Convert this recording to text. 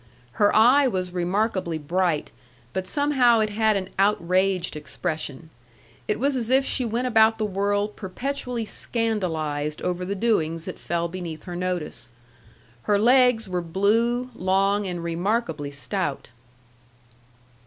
Her eye was remarkably bright, but somehow it had an outraged expression. It was as if she went about the world perpetually scandalized over the doings that fell beneath her notice. Her legs were blue, long, and remarkably stout.